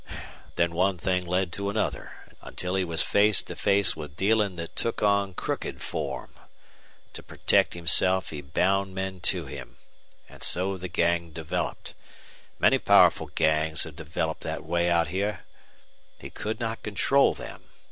Then one thing led to another, until he was face to face with dealing that took on crooked form. To protect himself he bound men to him. And so the gang developed. Many powerful gangs have developed that way out here. He could not control them.